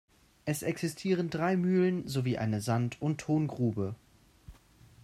Es existieren drei Mühlen, sowie eine Sand- und Tongrube.